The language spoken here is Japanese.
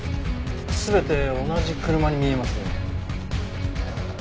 全て同じ車に見えますね。